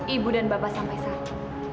ibu dan bapak sampai saat itu